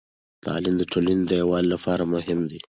تعليم د ټولنې د يووالي لپاره مهم دی.